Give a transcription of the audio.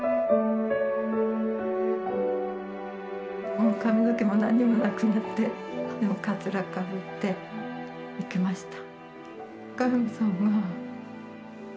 もう髪の毛も何にもなくなってでもかつらかぶって行きました。